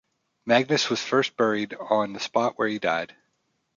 Magnus was first buried on the spot where he died.